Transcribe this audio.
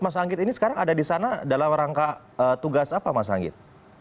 mas anggit ini sekarang ada di sana dalam rangka tugas apa mas anggit